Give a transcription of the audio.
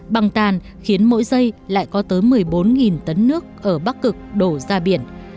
băng tàn khiến mỗi giây lại có tới một mươi bốn tấn nước ở bắc cực đổ ra biển